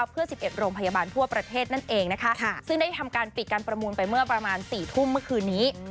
เพื่อ๑๑โรงพยาบาลทั่วประเทศนั่นเองนะคะซึ่งได้ทำการปิดการประมูลไปเมื่อประมาณ๔ทุ่มเมื่อคืนนี้